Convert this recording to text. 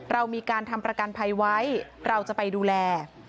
เรามีการทำประกันภัยไว้เราจะไปดูแล